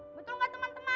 betul gak teman teman